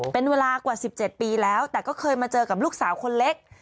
เป็นเวลากว่า๑๗ปีแล้วแต่ก็เคยมาเจอกับลูกสาวคนเล็ก